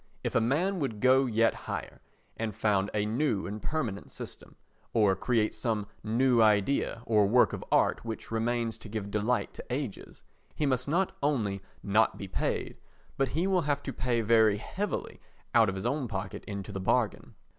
If a man would go yet higher and found a new and permanent system, or create some new idea or work of art which remains to give delight to ages—he must not only not be paid, but he will have to pay very heavily out of his own pocket into the bargain.